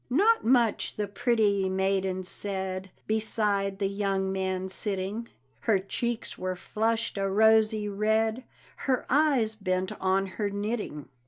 Not much the pretty maiden said, Beside the young man sitting; Her cheeks were flushed a rosy red, Her eyes bent on her knitting.